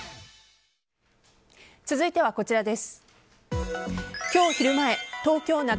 続いてはこちらです。